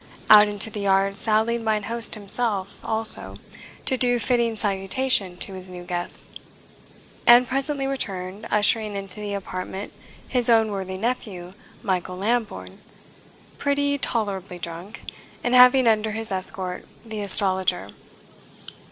Out into the yard sallied mine host himself also, to do fitting salutation to his new guests; and presently returned, ushering into the apartment his own worthy nephew, Michael Lambourne, pretty tolerably drunk, and having under his escort the astrologer.